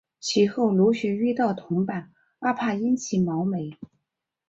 其后陆续遇到同伴阿帕因及毛美。